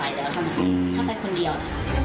ทั้งไปคนเดียว